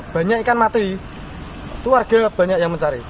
banyak ikan mati itu warga banyak yang mencari